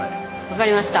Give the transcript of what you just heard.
分かりました。